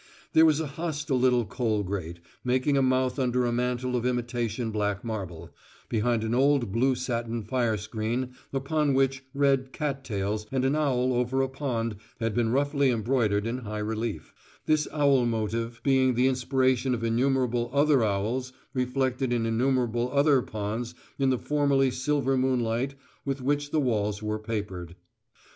There was a hostile little coal grate, making a mouth under a mantel of imitation black marble, behind an old blue satin fire screen upon which red cat tails and an owl over a pond had been roughly embroidered in high relief, this owl motive being the inspiration of innumerable other owls reflected in innumerable other ponds in the formerly silver moonlight with which the walls were papered.